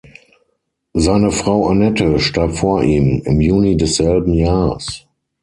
Seine Frau Annette starb vor ihm, im Juni desselben Jahres.